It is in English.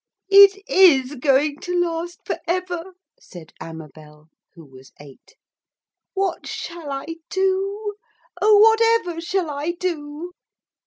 'It is going to last for ever,' said Amabel, who was eight. 'What shall I do? Oh whatever shall I do?'